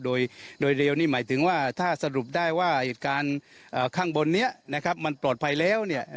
โดยเร็วนี่หมายถึงว่าถ้าสรุปได้ว่าเหตุการณ์ข้างบนนี้นะครับมันปลอดภัยแล้วเนี่ย